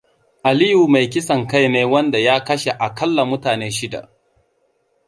Aliyu mai kisan kai ne wanda ya kashe akalla mutane shida.